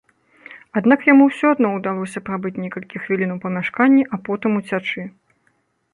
Аднак яму ўсё адно ўдалося прабыць некалькі хвілін у памяшканні, а потым уцячы.